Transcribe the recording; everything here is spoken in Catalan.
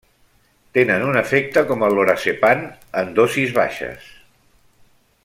Tenen un efecte com el lorazepam en dosis baixes.